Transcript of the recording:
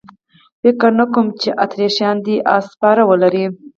فکر نه کوم چې اتریشیان دې اس سپاره ولري.